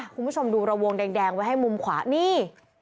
คุณผู้ชมดูระวงแดงไว้ให้มุมขวานี่